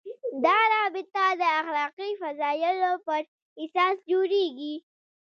دا رابطه د اخلاقي فضایلو پر اساس جوړېږي.